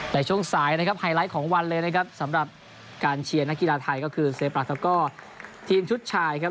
ในช่วงสายนะครับไฮไลท์ของวันเลยนะครับสำหรับการเชียร์นักกีฬาไทยก็คือเซปรัฐแล้วก็ทีมชุดชายครับ